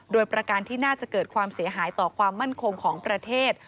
โดยประการที่น่าจะเกิดความเสียหายต่อความมั่นคงของประเทศ